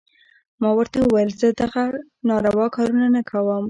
ما ورته وويل زه دغه ناروا کارونه نه کوم.